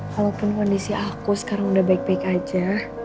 walaupun kondisi aku sekarang udah baik baik aja